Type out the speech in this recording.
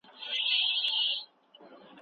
ایا ړوند هلک له ډاره په اوږه باندي مڼه وساتله؟